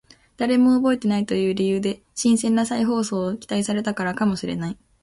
誰も覚えていないという理由で新鮮な再放送を期待されたからかもしれない